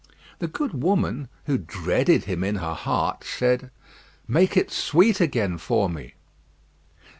The good woman, who dreaded him in her heart, said, "Make it sweet again for me."